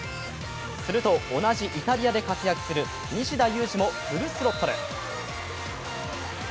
すると、同じイタリアで活躍する西田もフルスロットル。